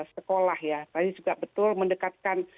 sekolah ya tadi juga betul mendekatkan